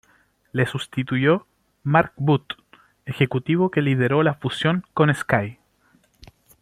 Le sustituyó Mark Booth, ejecutivo que lideró la fusión con Sky.